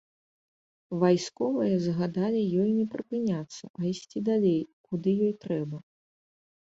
Вайсковыя загадалі ёй не прыпыняцца, а ісці далей, куды ёй трэба.